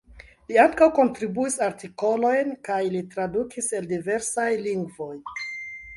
Li ankaŭ kontribuis artikolojn kaj li tradukis el diversaj lingvoj.